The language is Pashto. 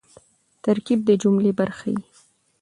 ترکیب د جملې برخه يي.